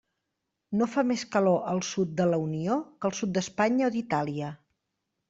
No fa més calor al sud de la Unió que al sud d'Espanya o d'Itàlia.